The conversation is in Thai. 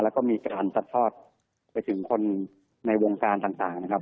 แล้วก็มีการสัดทอดไปถึงคนในวงการต่างนะครับ